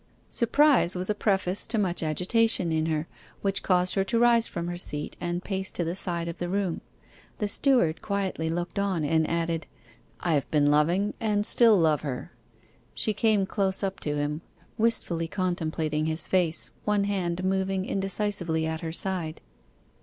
Surprise was a preface to much agitation in her, which caused her to rise from her seat, and pace to the side of the room. The steward quietly looked on and added, 'I have been loving and still love her.' She came close up to him, wistfully contemplating his face, one hand moving indecisively at her side.